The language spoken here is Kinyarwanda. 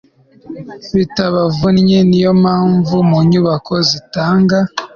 bitabavunnye ni yo mpamvu mu nyubako zitanga